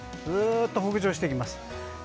ぐっと北上していきます。